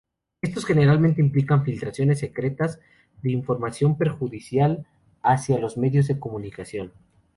Estos generalmente implican filtraciones secretas de información perjudicial hacia los medios de comunicación.